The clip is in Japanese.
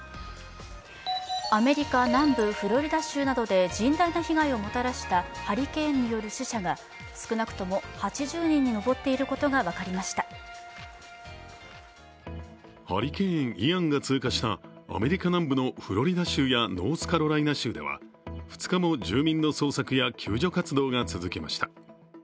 アメリカ南部フロリダ州などで甚大な被害をもたらしたハリケーンによる死者が少なくとも８０人にハリケーン・イアン通過したアメリカ南部のフロリダ州やノースカロライナ州では、２日も住民の捜索や救助活動が続きました。